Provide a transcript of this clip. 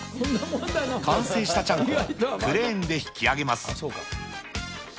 完成したちゃんこはクレーンで引き上げます。